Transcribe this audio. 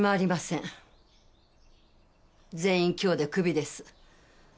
全員今日でクビです。